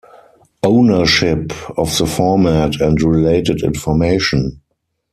Ownership of the format and related information.